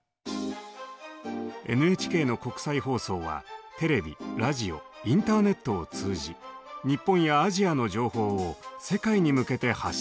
ＮＨＫの国際放送はテレビラジオインターネットを通じ日本やアジアの情報を世界に向けて発信しています。